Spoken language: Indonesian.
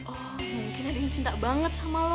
oh mungkin ada yang cinta banget sama lo